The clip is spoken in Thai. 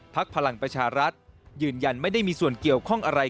พลังประชารัฐยืนยันไม่ได้มีส่วนเกี่ยวข้องอะไร